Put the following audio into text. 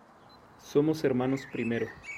Somos hermanos primero".